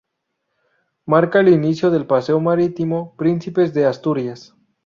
Marca el inicio del Paseo Marítimo Príncipes de Asturias.